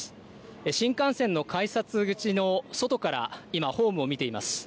新幹線の改札口の外から今、ホームを見ています。